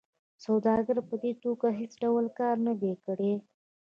سوداګر په دې توکو هېڅ ډول کار نه دی کړی